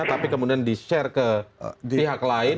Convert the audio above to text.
tapi kemudian di share ke pihak lain